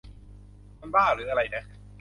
มันบ้าหรืออะไรนะ ?